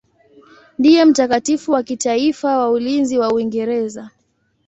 Ndiye mtakatifu wa kitaifa wa ulinzi wa Uingereza.